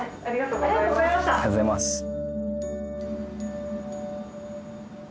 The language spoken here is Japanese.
ありがとうございます。